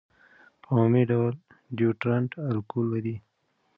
په عمومي ډول ډیوډرنټ الکول لري.